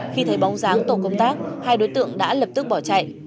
khi thấy bóng dáng tổ công tác hai đối tượng đã lập tức bỏ chạy